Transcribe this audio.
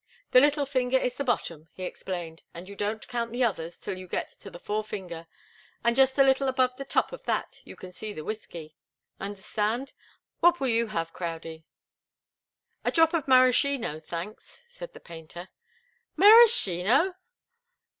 "The little finger is the bottom," he explained, "and you don't count the others till you get to the forefinger, and just a little above the top of that you can see the whiskey. Understand? What will you have, Crowdie?" "A drop of maraschino, thanks," said the painter. "Maraschino!"